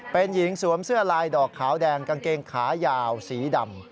เป็นหญิงสวมเสื้อลายดอกขาวแดงกางเกงขายาวสีดำ